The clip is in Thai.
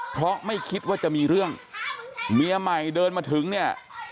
เพราะไม่คิดว่าจะมีเรื่องเมียใหม่เดินมาถึงเนี่ย